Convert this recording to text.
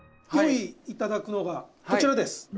用意頂くのがこちらです。